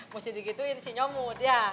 mau jadi gitu ini si nyomut ya